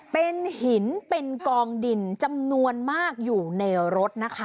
เป็นหินเป็นกองดินจำนวนมากอยู่ในรถนะคะ